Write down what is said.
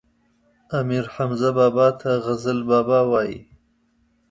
امير حمزه بابا ته غزل بابا وايي